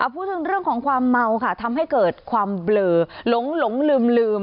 พูดถึงเรื่องของความเมาค่ะทำให้เกิดความเบลอหลงลืม